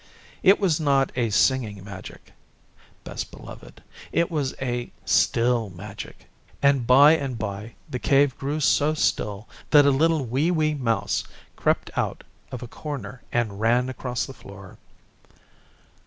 It was not a Singing Magic, Best Beloved, it was a Still Magic; and by and by the Cave grew so still that a little wee wee mouse crept out of a corner and ran across the floor.